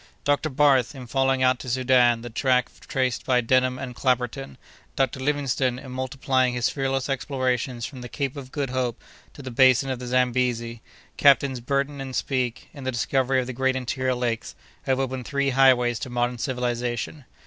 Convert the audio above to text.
"Dr. Barth, in following out to Soudan the track traced by Denham and Clapperton; Dr. Livingstone, in multiplying his fearless explorations from the Cape of Good Hope to the basin of the Zambesi; Captains Burton and Speke, in the discovery of the great interior lakes, have opened three highways to modern civilization.